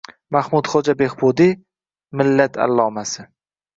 Mahmudxo‘ja Behbudiy – millat allomasi